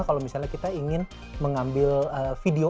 kalau misalnya kita ingin mengambil video